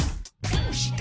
「どうして？